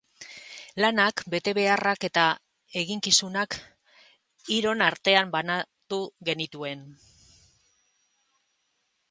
Lanak, betebeharrak eta eginkizunak hiron artean banatu genituen.